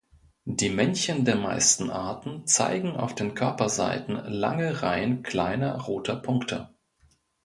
Die Männchen der meisten Arten zeigen auf den Körperseiten lange Reihen kleiner roter Punkte.